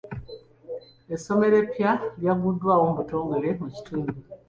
Essomero eppya lyagguddwawo mu butongole mu kitundu.